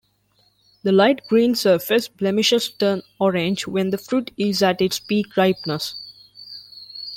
The light-green surface blemishes turn orange when the fruit is at its peak ripeness.